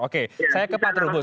oke saya ke pak trubus